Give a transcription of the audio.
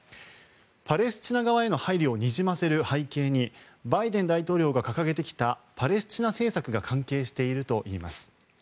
パレスチナ側への配慮をにじませる背景にバイデン大統領が掲げてきたパレスチナ政策が関係しているといいます。